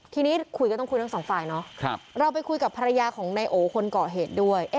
ทีนี้คุยก็ต้องคุยทั้งสองฝ่ายเนาะเราไปคุยกับภรรยาของนายโอคนก่อเหตุด้วย